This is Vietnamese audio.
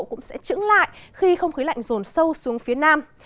cũng sẽ trứng lại khi không khí lạnh rồn sâu xuống phía nam